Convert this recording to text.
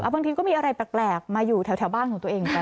บางทีก็มีอะไรแปลกมาอยู่แถวบ้านของตัวเองเหมือนกัน